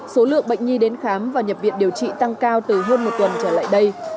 số lượng bệnh nhi đến khám và nhập viện điều trị tăng cao từ hơn một tuần trở lại đây